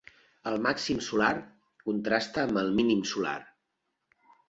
El màxim solar contrasta amb el mínim solar.